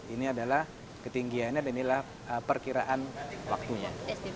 ini adalah ketinggiannya dan inilah perkiraan waktunya